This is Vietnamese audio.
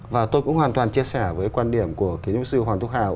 và tôi cũng hoàn toàn chia sẻ với quan điểm của kiến trúc sư hoàng thúc hào